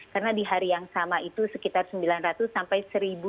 karena di hari yang sama itu sekitar sembilan ratus sampai seribu